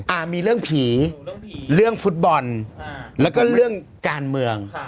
อ่ามีเรื่องผีเรื่องฟุตบอลแล้วก็เรื่องการเมือง